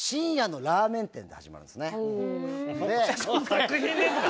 作品ですか？